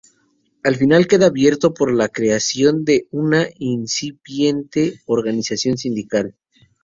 El final queda abierto por la creación de una incipiente organización sindical.